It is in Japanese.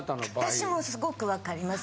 私もすごく分かります。